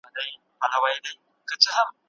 موږ اوس په نړۍ کې یوازې نه یو.